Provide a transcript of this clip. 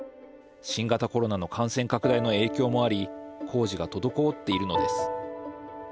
新型コロナの感染拡大の影響もあり工事が滞っているのです。